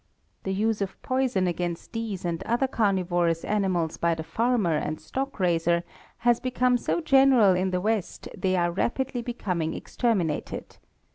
The use of poison against these and other carnivorous animals by the farmer and stock raiser has become so general in the West they are rapidly becoming exterminated.